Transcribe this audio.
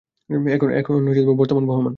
এখন বর্তমান বহমান।